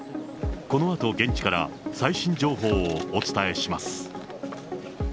このあと現地から最新情報をお伝えします。